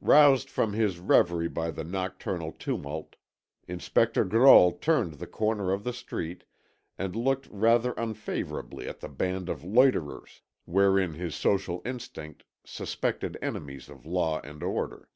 Roused from his reverie by the nocturnal tumult, Inspector Grolle turned the corner of the street, and looked rather unfavourably at the band of loiterers, wherein his social instinct suspected enemies of law and order.